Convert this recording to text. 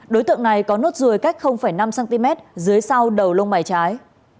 đối tượng này có nốt ruồi cách năm cm dưới sau đầu lông mày trái